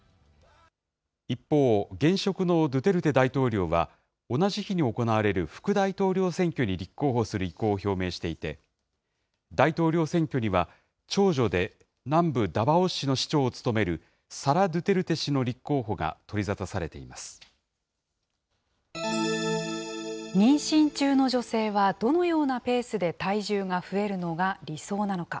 一方、現職のドゥテルテ大統領は、同じ日に行われる副大統領選挙に立候補する意向を表明していて、大統領選挙には長女で、南部ダバオ市の市長を務めるサラ・ドゥテルテ氏の立候補が取り沙妊娠中の女性は、どのようなペースで体重が増えるのが理想なのか。